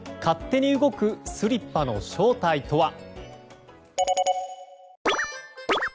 勝手に動くスリッパの正体とは。